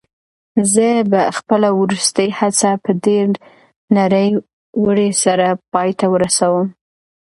زه به خپله وروستۍ هڅه په ډېرې نره ورۍ سره پای ته ورسوم.